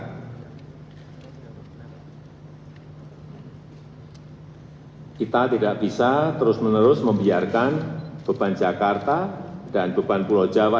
kita tidak bisa terus menerus membiarkan beban jakarta dan beban pulau jawa